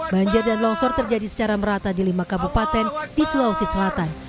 banjir dan longsor terjadi secara merata di lima kabupaten di sulawesi selatan